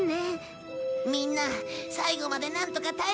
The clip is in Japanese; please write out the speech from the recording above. みんな最後までなんとか耐え抜くんだ。